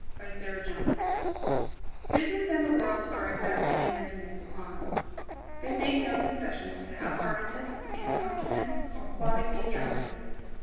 WANTED A MAN Business and the world are exacting in their demands upon us. They make no concessions to half heartedness, incompetence, or plodding mediocrity.